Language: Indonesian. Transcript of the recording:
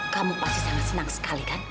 kamu pasti sangat senang sekali kan